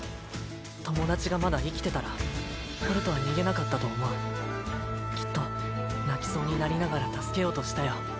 友達がまだ生きてたらホルトは逃げなかったと思うきっと泣きそうになりながら助けようとしたよ